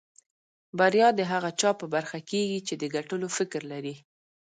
بريا د هغه چا په برخه کېږي چې د ګټلو فکر لري.